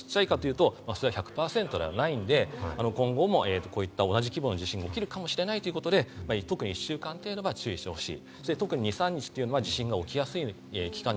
これが本震でこの後、起きるものが小さいものかというと１００％ではないので、今後も同じ規模の地震が起きるかもしれないということで特に１週間程度は注意してほしい。